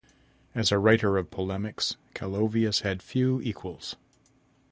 As a writer of polemics Calovius had few equals.